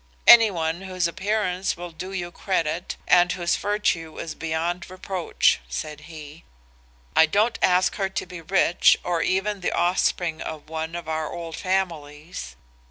'Anyone whose appearance will do you credit and whose virtue is beyond reproach,' said he. 'I don't ask her to be rich or even the offspring of one of our old families.